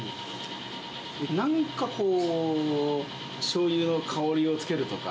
なんかこう、しょうゆの香りをつけるとか。